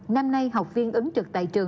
năm nay học viên ứng trực tại trường